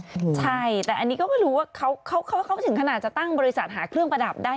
ใช่แต่อันนี้ก็ไม่รู้ว่าเขาเขาถึงขนาดจะตั้งบริษัทหาเครื่องประดับได้